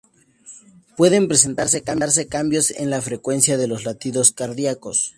Pueden presentarse cambios en la frecuencia de los latidos cardíacos.